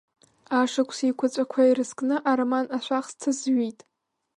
Ашықәс еиқәаҵәақәа ирызкны ароман Ашәахсҭа зҩит.